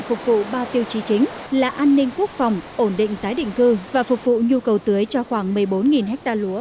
phục vụ ba tiêu chí chính là an ninh quốc phòng ổn định tái định cư và phục vụ nhu cầu tưới cho khoảng một mươi bốn ha lúa